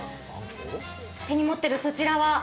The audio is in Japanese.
手に持っているそちらは？